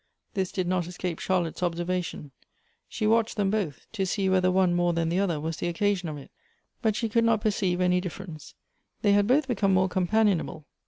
This did not escape Charlotte's observation ; she watched them both, to see whether one more than the other was not the occasion of it. But she could not per ceive any difference. They had both become more com panionable.